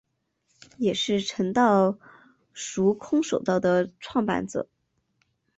也是诚道塾空手道的创办者。